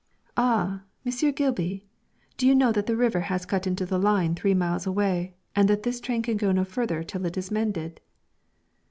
'Ah, Monsieur Geelby, do you know that the river has cut into the line three miles away, and that this train can go no farther till it is mended.'